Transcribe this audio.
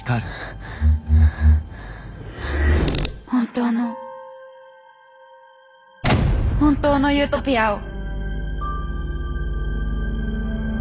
本当の本当のユートピアを。